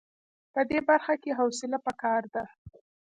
په دې برخه کې حوصله په کار ده.